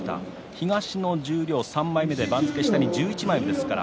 東の十両３枚目で番付下に１１番あります。